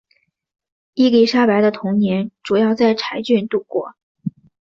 伊丽莎白的童年主要在柴郡度过。